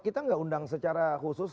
kita nggak undang secara khusus